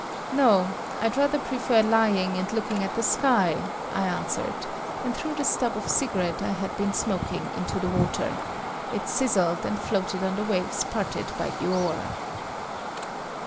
"No, I'd rather prefer lying and looking at the sky," I answered, and threw the stub of cigarette I had been smoking into the water; it sizzled and floated on the waves parted by the oar.